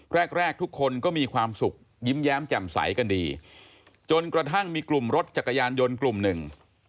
แรกแรกทุกคนก็มีความสุขยิ้มแย้มแจ่มใสกันดีจนกระทั่งมีกลุ่มรถจักรยานยนต์กลุ่มหนึ่ง